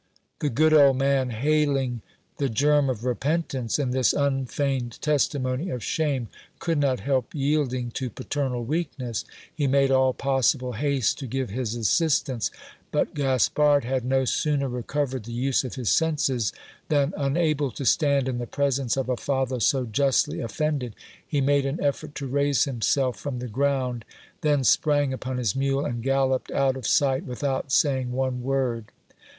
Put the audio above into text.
The good old man, hailing the germ of repentance in this unfeigned testimony of shame, could not help yielding to paternal weakness; he made all possible haste to give his assistance ; but Gaspard had no sooner recovered the use of his senses, than unable to stand in the presence of a father so justly offended, he made an effort to raise himself from the ground, then sprang upon his mule, and galloped out of sight without saying one word.